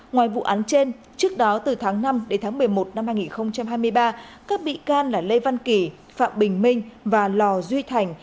ngoài vụ án trên trước đó từ tháng năm đến tháng một mươi một năm hai nghìn hai mươi ba các bị can là lê văn kỳ phạm bình minh và lò duy thành